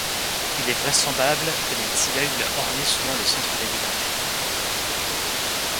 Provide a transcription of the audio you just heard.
Il est vraisemblable que des tilleuls ornaient souvent le centre des villages.